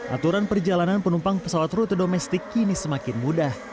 aturan perjalanan penumpang pesawat rute domestik kini semakin mudah